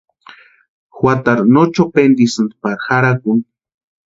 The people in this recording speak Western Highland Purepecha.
Juatarhu no chopentisïnti pari jarhakuni.